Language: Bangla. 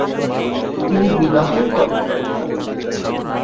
তিনি বিবাহ ও করেন।